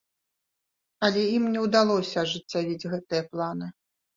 Але ім не ўдалося ажыццявіць гэтыя планы.